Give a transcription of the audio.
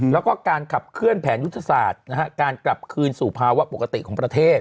แล้วก็การขับเคลื่อนแผนยุทธศาสตร์การกลับคืนสู่ภาวะปกติของประเทศ